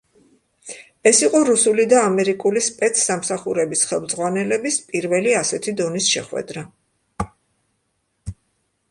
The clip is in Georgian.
ეს იყო რუსული და ამერიკული სპეცსამსახურების ხელმძღვანელების პირველი ასეთი დონის შეხვედრა.